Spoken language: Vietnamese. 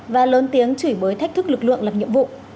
và lớn tiếng chửi bới thách thức lực lượng làm nhiệm vụ